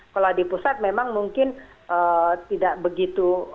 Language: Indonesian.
kalau di pusat memang mungkin tidak begitu